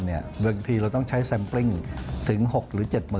บางทีเราต้องใช้แซมปริ้งถึง๖หรือ๗๐๐